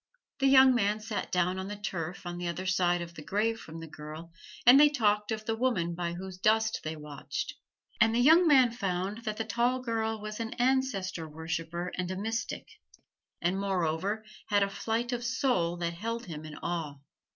The young man sat down on the turf on the other side of the grave from the girl, and they talked of the woman by whose dust they watched: and the young man found that the tall girl was an Ancestor Worshiper and a mystic, and moreover had a flight of soul that held him in awe.